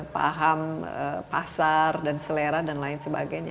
paham pasar dan selera dan lain sebagainya